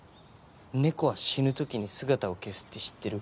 猫は死ぬ時に姿を消すって知ってる？